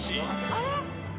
あれ？